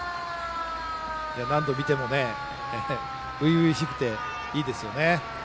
何度見ても初々しくていいですね。